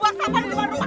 buktinya lu itu tuh